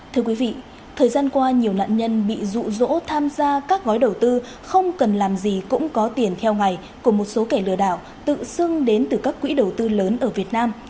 thưa quý vị thời gian qua nhiều nạn nhân bị rụ rỗ tham gia các gói đầu tư không cần làm gì cũng có tiền theo ngày của một số kẻ lừa đảo tự xưng đến từ các quỹ đầu tư lớn ở việt nam